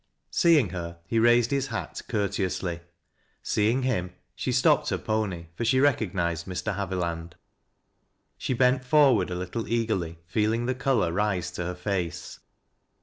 Seeing her, he raised his hat courle oasly ; seeing him, she stopped her pony, for she recog nized Mr. Haviland. She bent forward a little eagerly, feeling the color rise to her face.